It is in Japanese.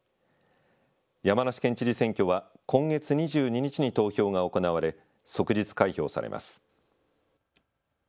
山梨県知事選挙は今月２２日に投票が行われ即日開票されます。